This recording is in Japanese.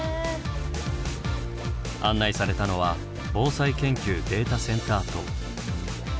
案内されたのは防災研究データセンター棟。